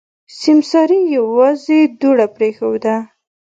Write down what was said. سيمسارې يوازې دوړه پرېښوده.